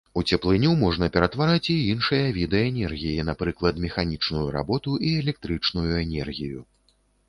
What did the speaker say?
У цеплыню можна ператвараць і іншыя віды энергіі, напрыклад механічную работу і электрычную энергію.